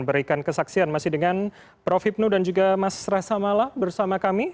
berikan kesaksian masih dengan prof hipno dan juga mas rasha malla bersama kami